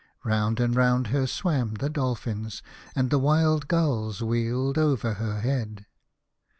Round and round her swam the dolphins, and the wild mills wheeled above her head.